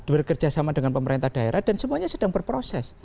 bekerja sama dengan pemerintah daerah dan semuanya sedang berproses